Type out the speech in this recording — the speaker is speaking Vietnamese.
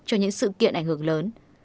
cho những sự kiện ảnh hưởng lớn